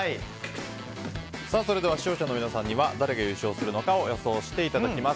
視聴者の皆さんには誰が優勝するのかを予想していただきます。